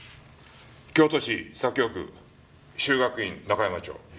京都市左京区修学院中山町。